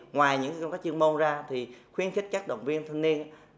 ngoài những công tác chuyên môn ra khuyến khích các đồng viên thanh niên